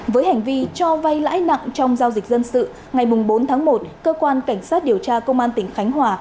với hành vi cho vay lãi nặng trong giao dịch dân sự ngày bốn tháng một cơ quan cảnh sát điều tra công an tỉnh khánh hòa